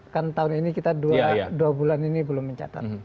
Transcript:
kan tahun ini kita dua bulan ini belum mencatat